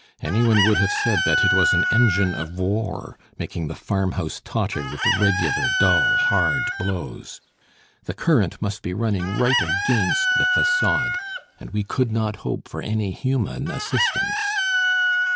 Any one would have said that it was an engine of war making the farmhouse totter with regular, dull, hard blows. The current must be running right against the facade, and we could not hope for any human assistance.